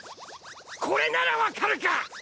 これなら分かるか！？